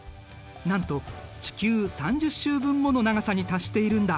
なんと地球３０周分もの長さに達しているんだ。